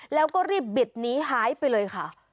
แล้วก็รีบบิดหนีหายไปเลยค่ะ